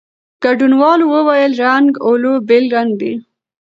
ګډونوالو وویل، رنګ "اولو" بېل رنګ دی.